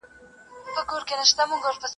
د اوبو کوهي د چا په لاس کي ول؟